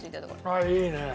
ああいいね。